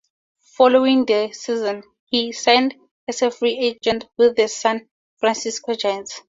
Following the season, he signed as a free agent with the San Francisco Giants.